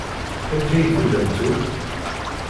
Amek ay tellamt akk?